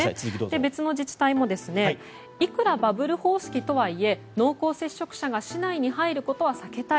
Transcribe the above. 別の自治体もいくらバブル方式とはいえ濃厚接触者が市内に入ることは避けたい。